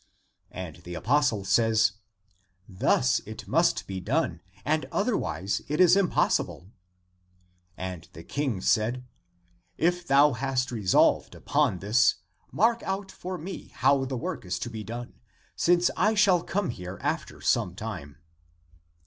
And the apostle says, " Thus it must be done, and otherwise it is impos sible." And the King said, " If thou hast resolved upon this, mark out for me how the work is to be done, since I shall come here after some time."